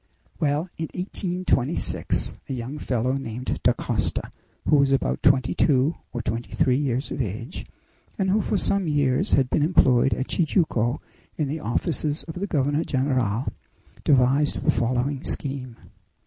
Well, in 1826, a young fellow named Dacosta, who was about twenty two or twenty three years of age, and who for some years had been employed at Tijuco in the offices of the governor general, devised the following scheme.